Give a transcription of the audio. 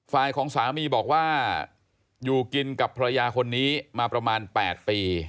ฝ่ายของสามีบอกว่าอยู่กินกับภรรยาคนนี้มาประมาณ๘ปี